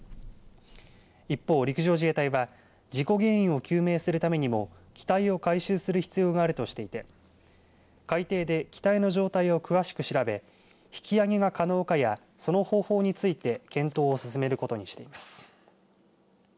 一方陸上自衛隊は事故原因を究明するためにも機体を回収する必要があるとしていて海底で機体の状態を詳しく調べ引き揚げが可能かやその方法について検討を進めることにしています。